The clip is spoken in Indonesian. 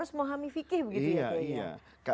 semua hami fiqih begitu ya